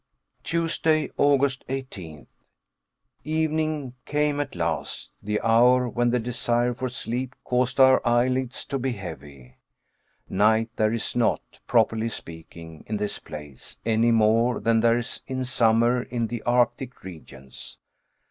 Tuesday, August 18th. Evening came at last, the hour when the desire for sleep caused our eyelids to be heavy. Night there is not, properly speaking, in this place, any more than there is in summer in the arctic regions.